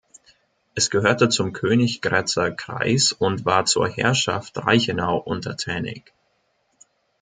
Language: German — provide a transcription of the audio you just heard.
Es gehörte zum Königgrätzer Kreis und war zur Herrschaft Reichenau untertänig.